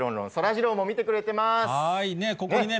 そして、そらジローも見てくれています。